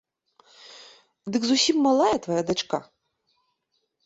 Дык зусім малая твая дачка?